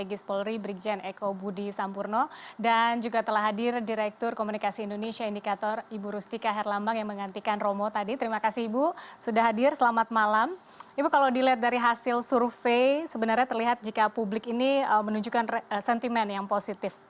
ibu kalau dilihat dari hasil survei sebenarnya terlihat jika publik ini menunjukkan sentimen yang positif